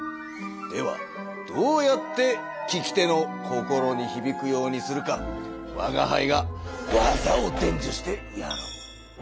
ではどうやって聞き手の心にひびくようにするかわがはいが技をでんじゅしてやろう。